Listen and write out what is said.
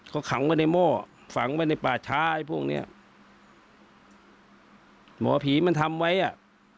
เขาขังไว้ในหม้อฝังไว้ในป่าช้าไอ้พวกเนี้ยหมอผีมันทำไว้อ่ะ